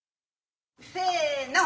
せの！